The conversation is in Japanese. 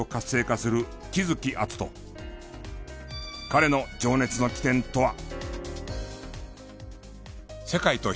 彼の情熱の起点とは？